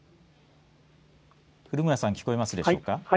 古村さん聞こえますでしょうか。